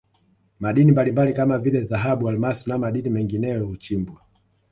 madini mbalimbali kama vile dhahabu almasi na madini mengineyo huchimbwa